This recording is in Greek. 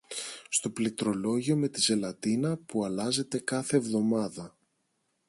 στο πληκτρολόγιο με τη ζελατίνα που αλλάζεται κάθε εβδομάδα